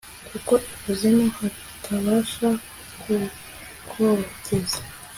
kuko ikuzimu hatabasha kukogeza